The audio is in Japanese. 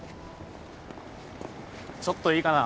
ちょっといいかな？